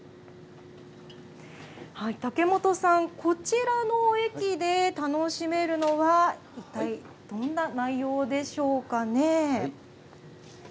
竹本さん、こちらの駅で楽しめるのは、一体どんな内容でしょうかね。